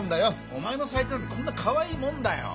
お前の最低なんてこんなかわいいもんだよ。